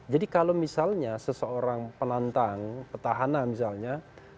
jadi kalau misalnya seseorang penantang petahanan misalnya